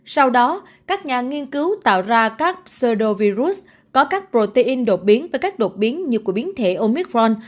sau đó các nhà nghiên cứu tạo ra các pseudovirus có các protein đột biến với các đột biến như của biến thể omicron